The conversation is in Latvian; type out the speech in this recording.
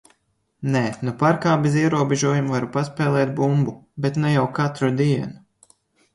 Nē, nu parkā bez ierobežojuma varu paspēlēt bumbu, bet ne jau katru dienu.